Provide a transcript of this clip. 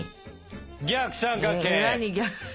逆三角形！